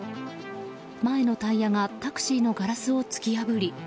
前のタイヤがタクシーのガラスを突き破り。